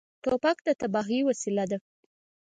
توپک د تباهۍ وسیله ده.